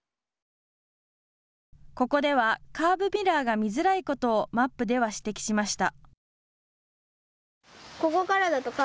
ここではカーブミラーが見づらいことをマップでは指摘しました。